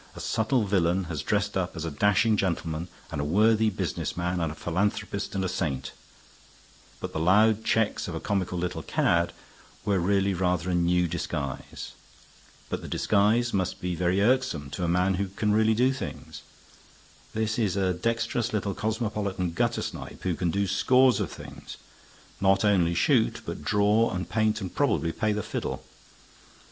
A subtle villain has dressed up as a dashing gentleman and a worthy business man and a philanthropist and a saint; but the loud checks of a comical little cad were really rather a new disguise. But the disguise must be very irksome to a man who can really do things. This is a dexterous little cosmopolitan guttersnipe who can do scores of things, not only shoot, but draw and paint, and probably play the fiddle.